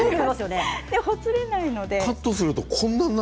ほつれないので。